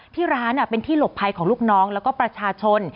ที่ร้านเป็นที่หลบภัยของลูกน้องแล้วก็ประชาชน